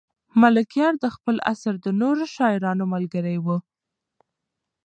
ملکیار د خپل عصر د نورو شاعرانو ملګری و.